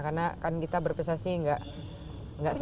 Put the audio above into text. karena kan kita berprestasi nggak selamanya